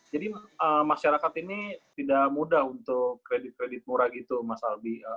jadi masyarakat ini tidak mudah untuk kredit kredit murah gitu mas albi